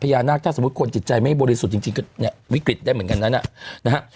พญานาคถ้าสมมุติคนจิตใจไม่บริสุทธิ์จริงก็เนี่ยวิกฤตได้เหมือนกันนั้นนะครับ